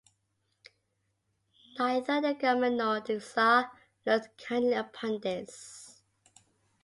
Neither the government nor the Czar looked kindly upon this.